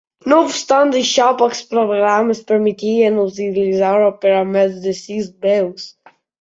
No obstant això, pocs programes permetien utilitzar-ho per a més de si veus.